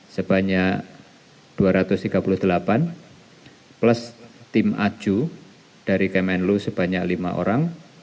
sebanyak dua ratus tiga puluh delapan plus tim aju dari kemenlu sebanyak lima orang